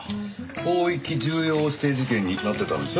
広域重要指定事件になってたんでしょ？